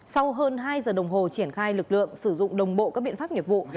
sau hơn hai giờ đồng hồ triển khai lực lượng sử dụng đồng bộ các biện pháp nghiệp vụ